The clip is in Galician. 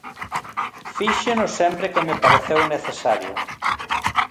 Fíxeno sempre que me pareceu necesario.